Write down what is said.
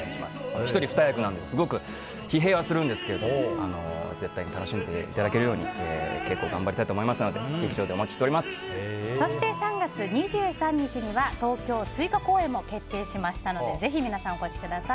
１人二役なのですごく疲弊しますが楽しんでいただけるように頑張りますのでそして３月２３日には東京追加公演も決定しましたので皆さん、ぜひお越しください。